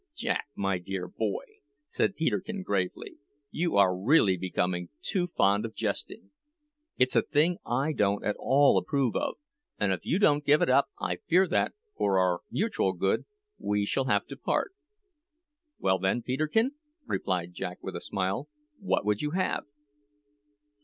"Jack, my dear boy," said Peterkin gravely, "you are really becoming too fond of jesting. It's a thing I don't at all approve of; and if you don't give it up, I fear that, for our mutual good, we shall have to part." "Well, then, Peterkin," replied Jack with a smile, "what would you have?"